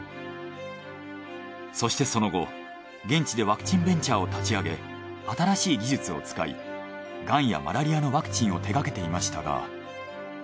そしてその後現地でワクチンベンチャーを立ち上げ新しい技術を使いがんやマラリアのワクチンを手がけていましたが。